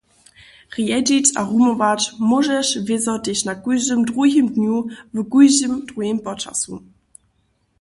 Rjedźić a rumować móžeš wězo tež na kóždym druhim dnju w kóždym druhim počasu.